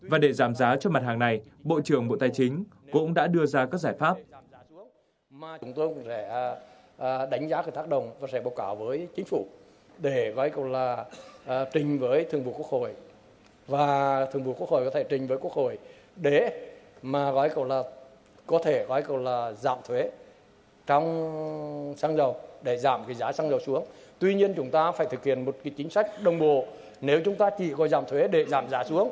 và để giảm giá cho mặt hàng này bộ trưởng bộ tài chính cũng đã đưa ra các giải pháp